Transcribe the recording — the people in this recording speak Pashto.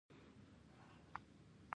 نو د خوشګوار حېرت د احساس سره